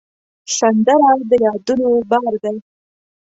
سندره د یادونو بار دی